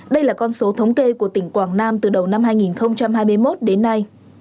đây là con số thống kê của tỉnh quảng nam từ đầu năm hai nghìn hai mươi một đến nay